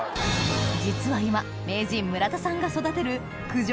実は今名人村田さんが育てる九条